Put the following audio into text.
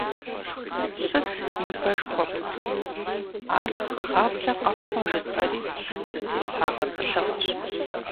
Сыт ныбэ жыхуэпӏэр? Ар гъаблэ къэхъумэ жысӏэри зэтеслъхьа гъэтӏылъыгъэщ.